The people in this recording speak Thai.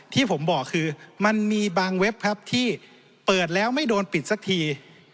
ที่ผมบอกคือมันมีบางเว็บครับที่เปิดแล้วไม่โดนปิดสักที